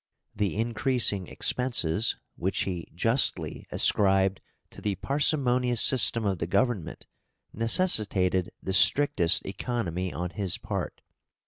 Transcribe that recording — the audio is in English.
The increasing expenses, which he justly ascribed to the parsimonious system of the government, necessitated the strictest economy on his part.